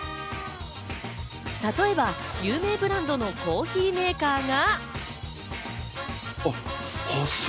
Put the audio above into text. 例えば有名ブランドのコーヒーメーカーが。